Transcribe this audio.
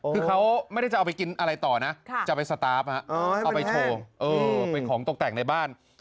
คือเขาไม่ได้จะเอาไปกินอะไรต่อนะจะไปสตาร์ฟเอาไปโชว์เป็นของตกแต่งในบ้าน